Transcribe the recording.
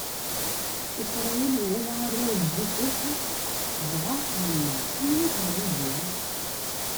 Isṛayil iwala arraw n Yusef, dɣa yenna: Anwi-ten wigi?